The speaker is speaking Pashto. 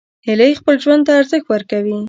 هیلۍ خپل ژوند ته ارزښت ورکوي